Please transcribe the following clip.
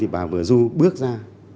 bà vừa du bước ra